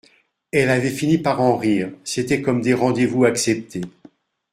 Elle avait fini par en rire, c'étaient comme des rendez-vous acceptés.